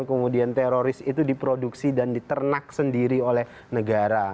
kemudian teroris itu diproduksi dan diternak sendiri oleh negara